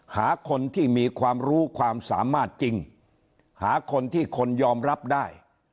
หาคนที่มีความรู้ความสามารถจริงหาคนที่คนยอมรับได้